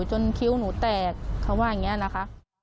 คิ้วหนูแตกเขาว่าอย่างนี้นะคะ